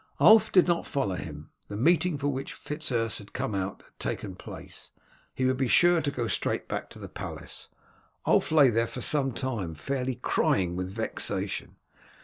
Ulf did not follow him. The meeting for which Fitz Urse had come out had taken place, he would be sure to go straight back to the palace. Ulf lay there for some time fairly crying with vexation.